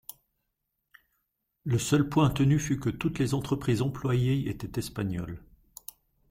Le seul point tenu fut que toutes les entreprises employées étaient espagnoles.